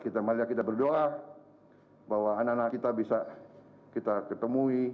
kita melihat kita berdoa bahwa anak anak kita bisa kita ketemui